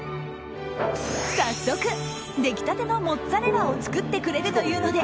早速、出来たてのモッツァレラを作ってくれるというので